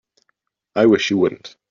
I wish you wouldn't.